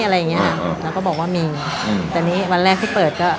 อะไรอย่างเงี้ยแล้วก็บอกว่ามีอืมแต่นี่วันแรกที่เปิดก็